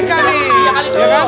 nah ini mereka